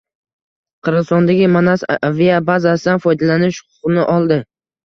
Qirg‘izistondagi Manas aviabazasidan foydalanish huquqini oldi.